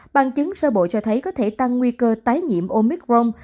bằng chứng sơ bộ cho thấy có thể tăng nguy cơ tái nhiễm omicron